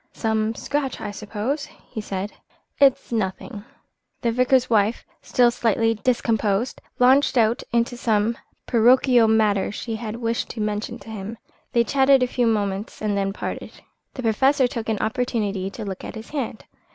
"Some scratch, I suppose," he said. "It's nothing." The vicar's wife, still slightly discomposed, launched out into some parochial matter she had wished to mention to him. They chatted a few moments and then parted. The Professor took an opportunity to look at his hand.